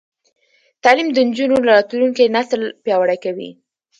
تعلیم د نجونو راتلونکی نسل پیاوړی کوي.